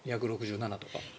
２６７とか？